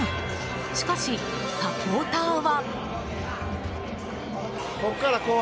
しかし、サポーターは。